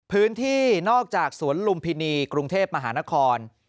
พื้นที่นอกจากสวนลุมพินีกรุงเทพมหานคร